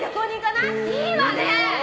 いいわね。